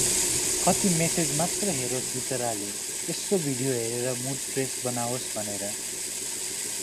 कति मेसेज मात्रै हेरोस बिचराले, यसो भिडियो हेरेर मुड फ्रेश बनावोस भनेर ।